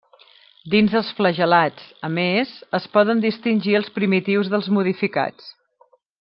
Dins dels flagel·lats, a més, es poden distingir els primitius dels modificats.